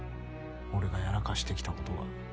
俺がやらかしてきたことが。